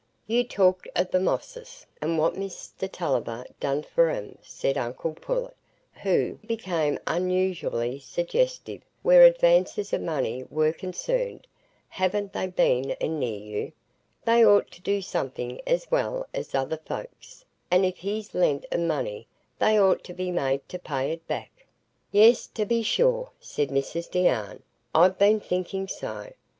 "You talked o' the Mosses, and what Mr Tulliver's done for 'em," said uncle Pullet, who became unusually suggestive where advances of money were concerned. "Haven't they been anear you? They ought to do something as well as other folks; and if he's lent 'em money, they ought to be made to pay it back." "Yes, to be sure," said Mrs Deane; "I've been thinking so.